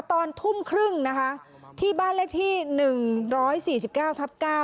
ตอนทุ่มครึ่งนะคะที่บ้านเลขที่หนึ่งร้อยสี่สิบเก้าทับเก้า